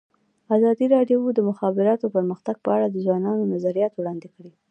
ازادي راډیو د د مخابراتو پرمختګ په اړه د ځوانانو نظریات وړاندې کړي.